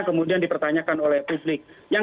kemudian dipertanyakan oleh publik yang